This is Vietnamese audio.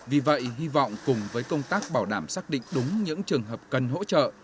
vì vậy hy vọng cùng với công tác bảo đảm xác định đúng những trường hợp cần hỗ trợ